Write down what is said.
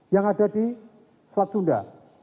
yang ada di selat sunda